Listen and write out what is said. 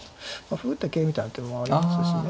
歩打って桂みたいな手もありますしね。